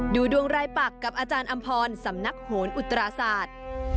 ดูดวงรายปักกับอาจารย์อำพรสำนักโหนอุตราศาสตร์